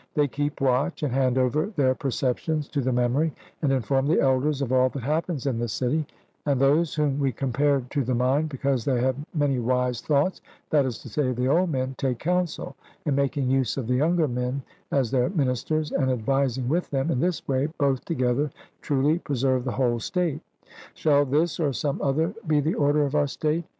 They keep watch and hand over their perceptions to the memory, and inform the elders of all that happens in the city; and those whom we compared to the mind, because they have many wise thoughts that is to say, the old men take counsel, and making use of the younger men as their ministers, and advising with them in this way both together truly preserve the whole state: Shall this or some other be the order of our state?